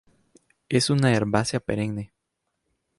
Es una herbácea perenne.